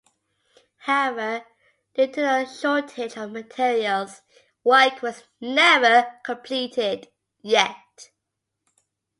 However, due to the shortage of materials, work was never completed.